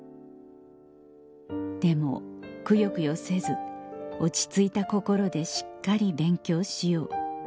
「でもくよくよせず落ち着いた心でしっかり勉強しよう」